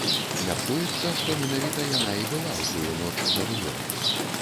Мяркуецца, што менавіта яна і была ў тую ноч за рулём.